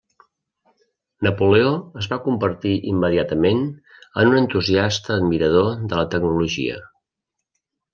Napoleó es va convertir immediatament en un entusiasta admirador de la tecnologia.